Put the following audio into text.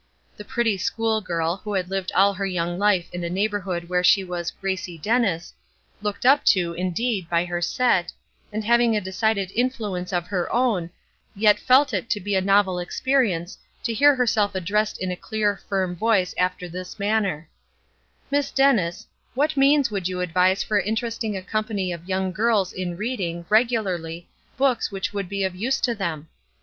The pretty school girl, who had lived all her young life in a neighborhood where she was "Gracie Dennis," looked up to, indeed, by her set, and having a decided influence of her own, yet felt it to be a novel experience to hear herself addressed in a clear, firm voice after this manner: "Miss Dennis, what means would you advise for interesting a company of young girls in reading, regularly, books which would be of use to them?